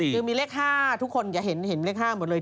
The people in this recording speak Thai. คือมีเลข๕ทุกคนจะเห็นเลข๕หมดเลย